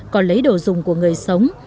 có lấy đồ dùng của người sống